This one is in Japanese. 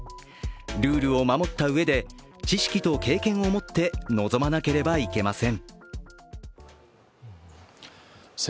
ルールを守ったうえで知識と経験をもって臨まなければいけません。